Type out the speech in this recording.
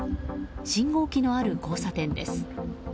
信号機のある交差点です。